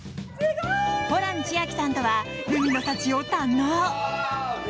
ホラン千秋さんとは海の幸を堪能。